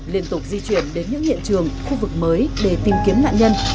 liên tục di chuyển đến những hiện trường khu vực mới để tìm kiếm nạn nhân